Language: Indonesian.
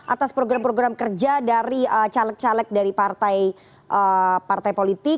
atas program program kerja dari caleg caleg dari partai politik